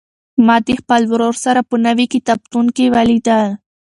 ما د خپل ورور سره په نوي کتابتون کې ولیدل.